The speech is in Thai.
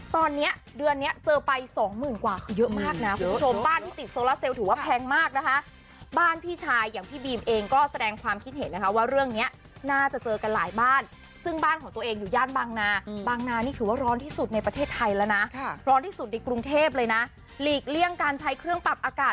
ตอนนี้เดือนเนี้ยเจอไปสองหมื่นกว่าคือเยอะมากนะคุณผู้ชมบ้านที่ติดโซลาเซลถือว่าแพงมากนะคะบ้านพี่ชายอย่างพี่บีมเองก็แสดงความคิดเห็นนะคะว่าเรื่องนี้น่าจะเจอกันหลายบ้านซึ่งบ้านของตัวเองอยู่ย่านบางนาบางนานี่ถือว่าร้อนที่สุดในประเทศไทยแล้วนะร้อนที่สุดในกรุงเทพเลยนะหลีกเลี่ยงการใช้เครื่องปรับอากาศ